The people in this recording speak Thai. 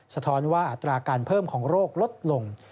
สะท้อนว่าอัตราการเพิ่มของโรคลดลง